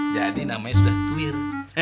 jadi namanya sudah twir